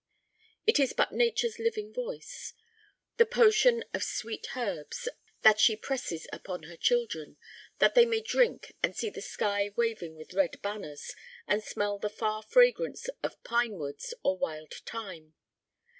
It is but Nature's living voice: the potion of sweet herbs that she presses upon her children, that they may drink and see the sky waving with red banners, and smell the far fragrance of pine woods or wild thyme.